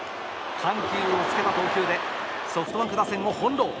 緩急をつけた投球でソフトバンク打線を翻ろう。